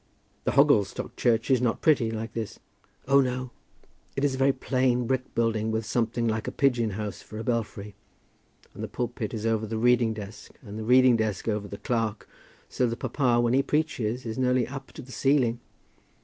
"The Hogglestock church is not pretty; like this?" "Oh, no. It is a very plain brick building, with something like a pigeon house for a belfry. And the pulpit is over the reading desk, and the reading desk over the clerk, so that papa, when he preaches, is nearly up to the ceiling.